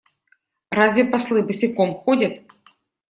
Разве послы босиком ходят?